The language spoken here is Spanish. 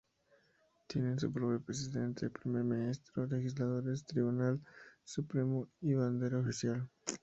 Tienen su propio presidente, primer ministro, legisladores, tribunal supremo, y bandera oficial.